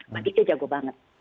berarti dia jago banget